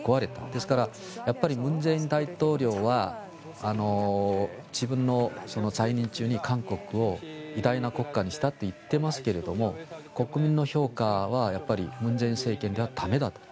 ですからやっぱり文在寅大統領は自分の在任中に韓国を偉大な国家にしたと言っていますけれど国民の評価はやっぱり文在寅政権では駄目だと。